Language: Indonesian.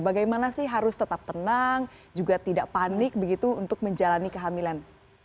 bagaimana sih harus tetap tenang juga tidak panik begitu untuk menjalani kehamilan